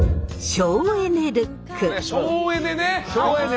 省エネね！